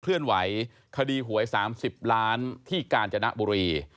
เลื่อนไหวคดีหวย๓๐ล้านที่กาญจนบุรี